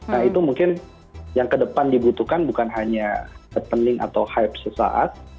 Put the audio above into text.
nah itu mungkin yang ke depan dibutuhkan bukan hanya ketening atau hype sesaat